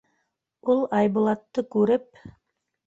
Ул, Айбулатты күреп: